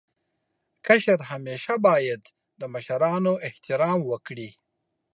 کشر همېشه باید د مشرانو احترام وکړي.